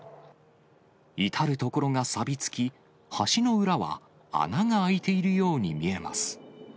至る所がさびつき、橋の裏は穴が開いているように見えます。